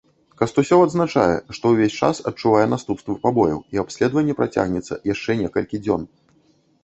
Кастусёў адзначае, што ўвесь час адчувае наступствы пабояў і абследаванне працягнецца яшчэ некалькі дзён.